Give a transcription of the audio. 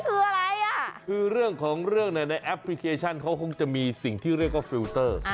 คือเรื่องของเรื่องในแอปพลิเคชันเขาคงจะมีสิ่งที่เรียกว่าฟีลเตอร์